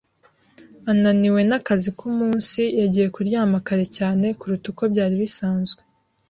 ananiwe n'akazi k'umunsi, yagiye kuryama kare cyane kuruta uko byari bisanzwe.